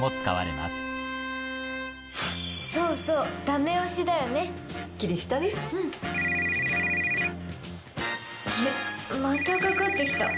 またかかって来た。